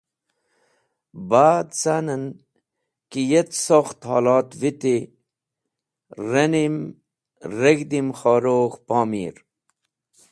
Ba’d can en ki yet sokht holot viti, renni’m reg̃hi’m Khorugh, Pomir.